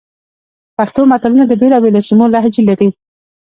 پښتو متلونه د بېلابېلو سیمو لهجې لري